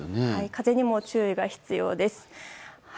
風にも注意が必要です。